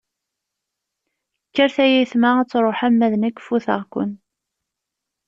Kkert ay ayetma ad truḥem, ma d nekk futeɣ-ken.